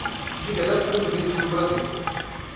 Diga dez Presidentes do Brasil.